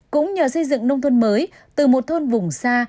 cũng nhờ xây dựng nông thôn mới từ một thôn vùng xa